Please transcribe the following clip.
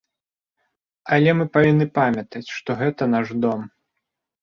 Але мы павінны памятаць, што гэта наш дом.